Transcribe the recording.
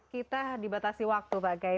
kita dibatasi waktu pak gai